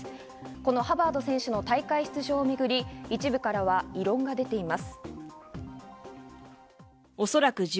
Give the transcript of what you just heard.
このハバード選手の大会出場めぐり一部からは異論が出ています。